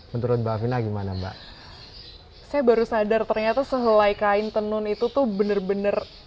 menurut mbak vina gimana mbak saya baru sadar ternyata sehelai kain tenun itu tuh bener bener